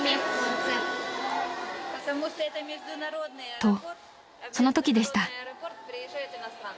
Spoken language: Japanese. ［とそのときでした］